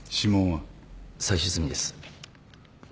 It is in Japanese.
採取済みです。